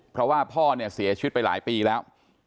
เพราะว่าพ่อเนี่ยเสียชีวิตไปหลายปีแล้ว